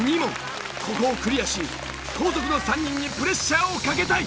ここをクリアし後続の３人にプレッシャーをかけたい！